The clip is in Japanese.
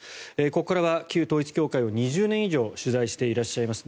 ここからは旧統一教会を２０年以上取材していらっしゃいます